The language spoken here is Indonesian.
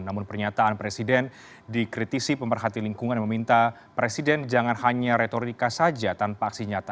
namun pernyataan presiden dikritisi pemerhati lingkungan yang meminta presiden jangan hanya retorika saja tanpa aksi nyata